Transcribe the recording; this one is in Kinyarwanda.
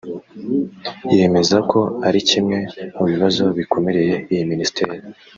yemeza ko ari kimwe mu bibazo bikomereye iyi minisiteri